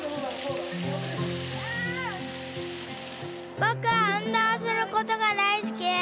ぼくはうんどうすることがだいすきです